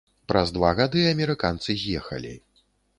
Праз два гады амерыканцы з'ехалі.